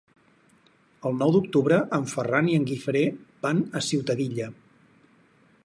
El nou d'octubre en Ferran i en Guifré van a Ciutadilla.